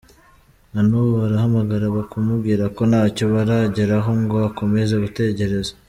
Na n’ubu arahamagara bakamubwira ko ntacyo barageraho, ngo akomeze gutegereza.